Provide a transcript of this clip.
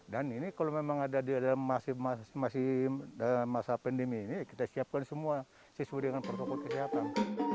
dan ini kalau memang ada di dalam masa pandemi ini kita siapkan semua sesuai dengan protokol kesehatan